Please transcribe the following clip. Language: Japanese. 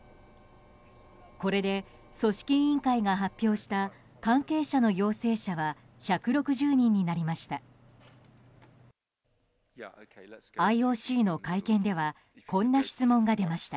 これで組織委員会が発表した関係者の陽性者は１６０人になりました。